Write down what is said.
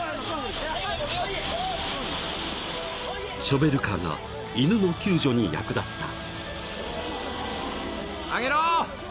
［ショベルカーが犬の救助に役立った］